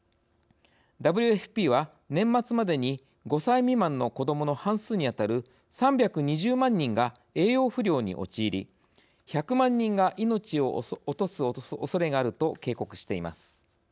ＷＦＰは、年末までに５歳未満の子どもの半数にあたる３２０万人が栄養不良に陥り１００万人が命を落とすおそれがあると警告しています。